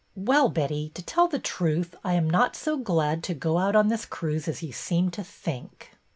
'' Well, Betty, to tell the truth, I am not so glad to go out on this cruise as you seem to think."